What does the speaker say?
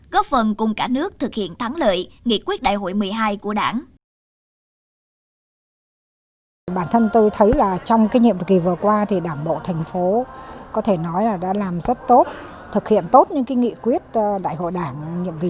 góp phần cùng cả nước thực hiện thắng lợi nghiệt quyết đại hội